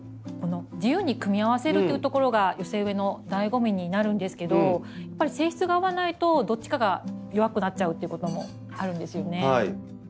自由に組み合わせるというところが寄せ植えのだいご味になるんですけどやっぱり性質が合わないとどっちかが弱くなっちゃうってこともあるんですよね。